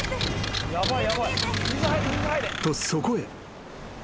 ［とそこへ］